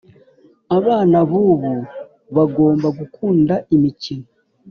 abana bubu bagomba gukunda imikino